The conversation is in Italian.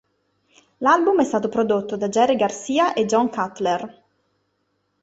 L'album è stato prodotto da Jerry Garcia e John Cutler.